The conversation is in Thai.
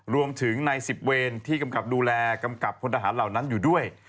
รวมถึงใน๑๐เวรที่กำกับดูแลกำกับพลทหารเหล่านั้นอยู่ด้วย